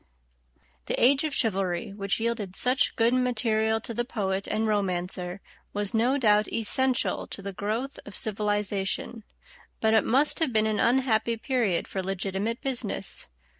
The age of chivalry, which yielded such good material to the poet and romancer, was no doubt essential to the growth of civilization, but it must have been an unhappy period for legitimate business.